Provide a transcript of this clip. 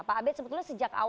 anda mutlulah se pw